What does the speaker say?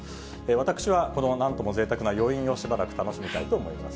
私はこのなんともぜいたくな余韻を、しばらく楽しみたいと思います。